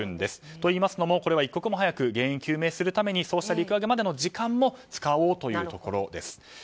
といいますのも一刻も早く原因究明するために陸揚げ前の時間も使おうというところです。